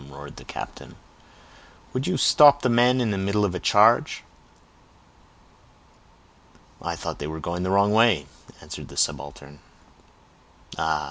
roared the captain. "Would you stop men in the middle of a charge?" "I thought they were going the wrong way," answered the subaltern. "Ah!